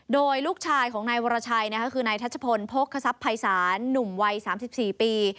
โดยลูกชายของนายวรชัยคือนายทัชพลโภคศัพย์ภัยศาลหนุ่มวัย๓๔ปี